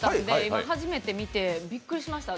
今、初めて見て、びっくりしました。